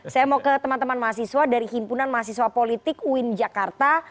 saya mau ke teman teman mahasiswa dari himpunan mahasiswa politik uin jakarta